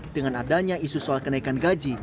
dengan adanya isu soal kenaikan gaji